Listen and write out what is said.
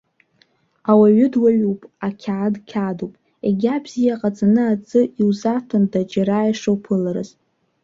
Ауаҩы дуаҩуп, ақьаад қьаадуп, егьа бзиа ҟаҵаны аӡы иузаҭонда, џьара ишуԥыларыз.